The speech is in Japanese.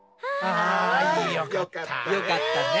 ああ楽しかった！